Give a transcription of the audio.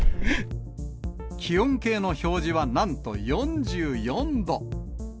気温計の表示はなんと４４度。